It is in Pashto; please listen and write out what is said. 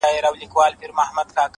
حقیقت ورو خو قوي څرګندېږي؛